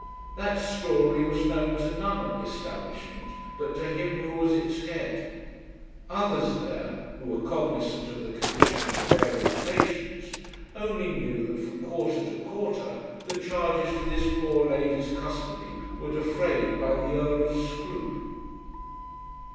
That story was known to none at the establishment but to him who was its head. Others there, who were cognisant of the condition of the various patients, only knew that from quarter to quarter the charges for this poor lady's custody were defrayed by the Earl of Scroope.